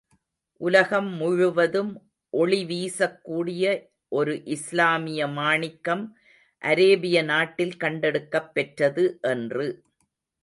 உலகம் முழுவதும் ஒளி வீசக் கூடிய ஒரு இஸ்லாமிய மாணிக்கம் அரேபிய நாட்டில் கண்டெடுக்கப் பெற்றது என்று.